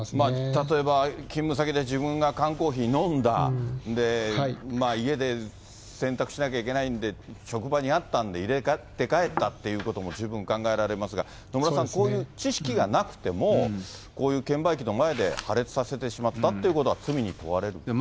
例えば勤務先で自分が缶コーヒー飲んだ、で、家で洗濯しなきゃいけないんで、職場にあったんで入れて帰ったということも十分考えられますが、野村さん、こういう知識がなくても、こういう券売機の前で破裂させてしまったってことは、罪に問われるんですか。